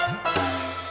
oh gitu iya